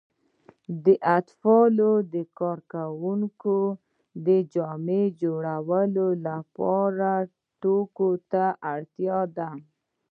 د اطفائیې د کارکوونکو د جامو جوړولو لپاره توکو ته اړتیا ده.